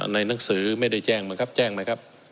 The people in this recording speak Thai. ในนังสือไม่ได้แจ้งมั้ยครับแจ้งมั้ยครับ